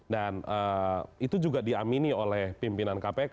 dan itu juga diamini oleh pimpinan kpk